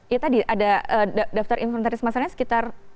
ya tadi ada daftar inventaris masalahnya sekitar